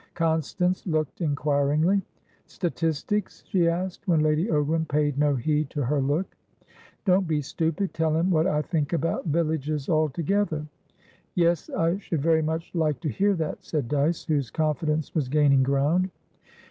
Constance looked inquiringly. "Statistics?" she asked, when Lady Ogram paid no heed to her look. "Don't be stupid. Tell him what I think about villages altogether." "Yes, I should very much like to hear that," said Dyce, whose confidence was gaining ground.